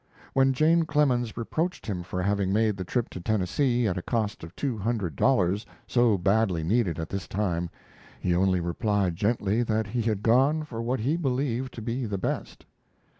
When Jane Clemens reproached him for having made the trip to Tennessee, at a cost of two hundred dollars, so badly needed at this time, he only replied gently that he had gone for what he believed to be the best.